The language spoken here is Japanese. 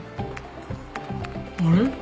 あれ？